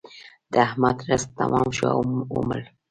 د احمد رزق تمام شو او ومړ.